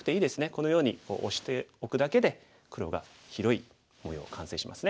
このようにオシておくだけで黒が広い模様完成します。